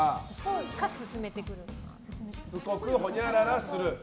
しつこくほにゃららする。